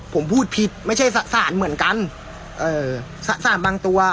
ผมพูดผิดไม่ใช่สารเหมือนกันเอ่อสารบางตัว